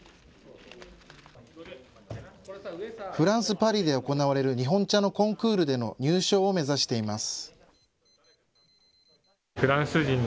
フランス・パリで行われる日本茶のコンクールでの入賞を目指しています。